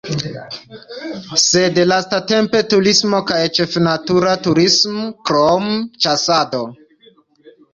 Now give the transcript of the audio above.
Sed lastatempe turismo kaj ĉefe natura turismo, krom ĉasado.